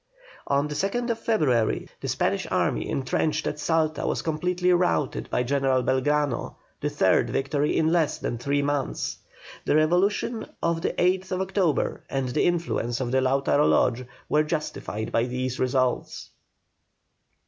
On the 20th February the Spanish army entrenched at Salta was completely routed by General Belgrano; the third victory in less than three months. The revolution of the 8th October and the influence of the Lautaro Lodge were justified by these results.